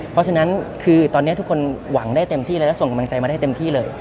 เพราะฉะนั้นคือตอนนี้ทุกคนหวังได้เต็มที่และส่งกำลังใจมาได้เต็มที่เลย